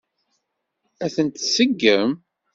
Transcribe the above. Ad tent-tseggem?